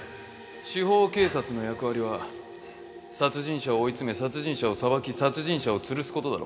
司法警察の役割は殺人者を追い詰め殺人者を裁き殺人者を吊るす事だろ。